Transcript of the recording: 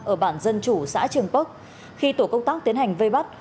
ở bản dân chủ xã trường bắc khi tổ công tác tiến hành vây bắt